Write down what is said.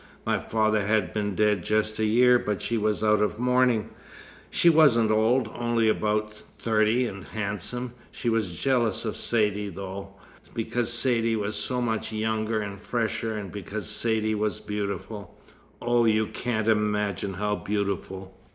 My father had been dead just a year, but she was out of mourning. She wasn't old only about thirty, and handsome. She was jealous of Saidee, though, because Saidee was so much younger and fresher, and because Saidee was beautiful Oh, you can't imagine how beautiful!"